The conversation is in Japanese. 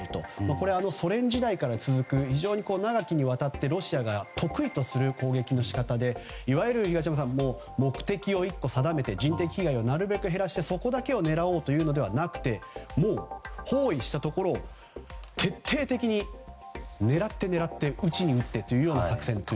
これはソ連時代から続く非常に長きにわたってロシアが得意とする攻撃の方法でいわゆる東山さん目的を１個定めて人的被害を減らしてそこだけを狙おうというものではなくもう包囲したところを徹底的に狙って、狙って撃ちに撃ってという作戦と。